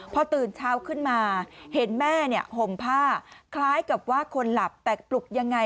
พอตื่นเช้าขึ้นมาเห็นแม่ห่มผ้าคล้ายกับว่าคนหลับแต่ปลุกยังไง